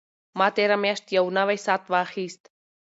ما تېره میاشت یو نوی ساعت واخیست.